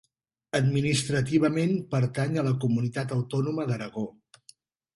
Administrativament pertany a la comunitat autònoma d'Aragó.